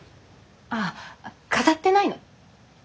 ああ飾ってないの。